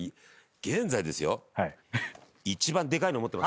現在ですよ。